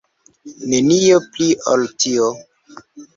Nenio pli ol tio.